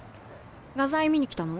画材見に来たの？